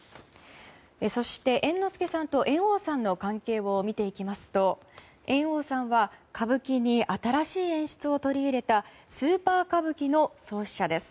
そして猿之助さんと猿翁さんの関係を見ていきますと猿翁さんは歌舞伎に新しい演出を取り入れた「スーパー歌舞伎」の創始者です。